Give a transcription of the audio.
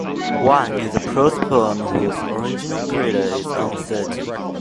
One is a prose poem whose original creator is uncertain.